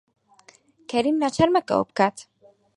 کەریم ناچار مەکە ئەوە بکات.